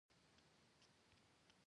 نجلۍ زړه خوږه ده.